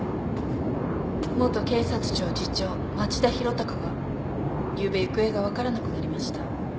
元警察庁次長町田博隆がゆうべ行方が分からなくなりました。